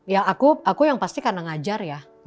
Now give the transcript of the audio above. ya aku yang pasti karena ngajar ya